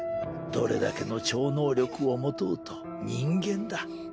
どれだけの超能力を持とうと人間だ。